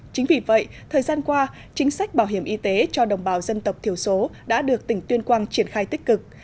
chính vì vậy thời gian qua chính sách bảo hiểm y tế cho đồng bào dân tộc thiểu số đã được tỉnh tuyên quang triển khai tích cực